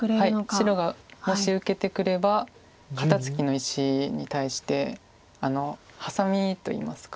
白がもし受けてくれば肩ツキの位置に対してハサミといいますか。